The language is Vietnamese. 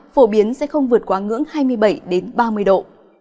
phổ biến sẽ không vượt quá ngưỡng hai mươi bảy ba mươi độ